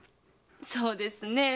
そうですね